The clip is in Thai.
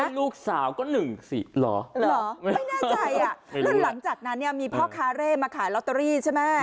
ลูกสาวก็๑๔เหรอไม่แน่ใจอ่ะแล้วหลังจากนั้นเนี่ยมีพ่อค้าเร่มาขายลอตเตอรี่ใช่ไหม